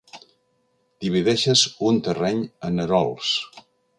Divideixes un terreny en erols.